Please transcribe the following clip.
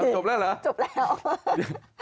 จบแล้วเหรอ